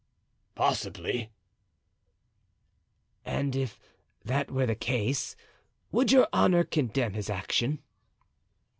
"Possibly." "And if that were the case would your honor condemn his action?"